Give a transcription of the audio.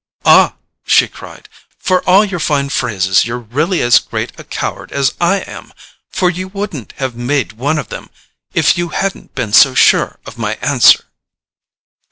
"Ah," she cried, "for all your fine phrases you're really as great a coward as I am, for you wouldn't have made one of them if you hadn't been so sure of my answer."